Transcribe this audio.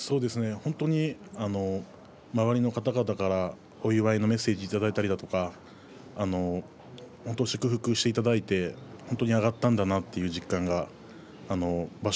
本当に周りの方々からお祝いのメッセージをいただいたりだとか本当に祝福していただいて本当に上がったんだなという実感が場所